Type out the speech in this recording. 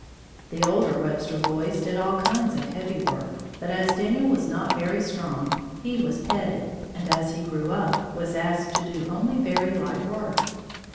The older Webster boys did all kinds of heavy work, but as Daniel was not very strong, he was petted, and as he grew up, was asked to do only very light work.